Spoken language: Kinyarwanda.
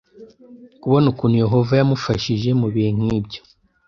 kubona ukuntu Yehova yamufashije mu bihe nk ibyo